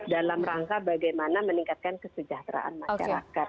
dalam rangka bagaimana meningkatkan kesejahteraan masyarakat